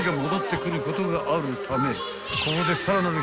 ［ここで］